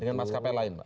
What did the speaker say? dengan mas kap lain pak